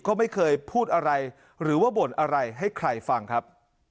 ก็ไม่เคยพูดอะไรหรือว่าบ่นอะไรให้ใครฟังครับ